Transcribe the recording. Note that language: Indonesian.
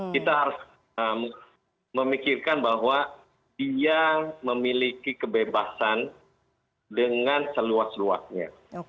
kita harus memikirkan bahwa dia memiliki kebebasan dengan seluas luasnya